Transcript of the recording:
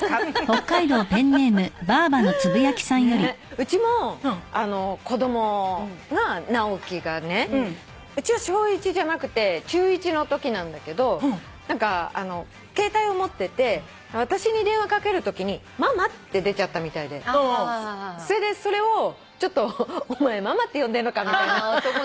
うちも子供が直樹がねうちは小１じゃなくて中１のときなんだけど携帯を持ってて私に電話かけるときに「ママ」って出ちゃったみたいでそれでそれをちょっと「お前ママって呼んでんのか」みたいな。